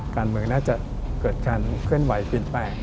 การเมืองน่าจะเกิดการเคลื่อนไหวเปลี่ยนแปลง